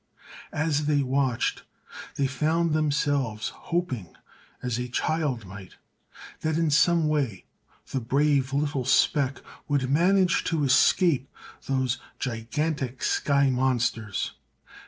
As they watched they found themselves hoping—as a child might—that in some way the brave little speck would manage to escape those gigantic sky monsters.